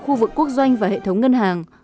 khu vực quốc doanh và hệ thống ngân hàng